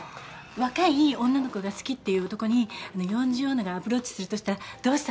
若い女の子が好きっていう男に四十女がアプローチするとしたらどうしたらいいんですかね？